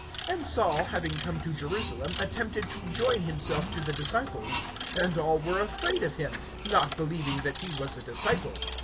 (26)And Saul, having come to Jerusalem, attempted to join himself to the disciples; and all were afraid of him, not believing that he was a disciple.